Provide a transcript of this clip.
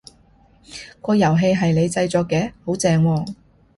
個遊戲係你製作嘅？好正喎！